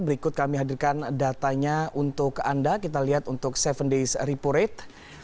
berikut kami hadirkan datanya untuk anda kita lihat untuk tujuh days repo rate